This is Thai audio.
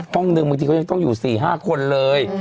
ห้องหนึ่งบางทีเขายังต้องอยู่๔๕คนเลย